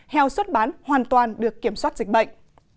heo xuất bán hoàn toàn được kiểm soát dịch bệnh